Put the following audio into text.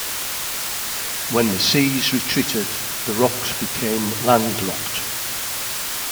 When then the seas retreated, the rocks became landlocked.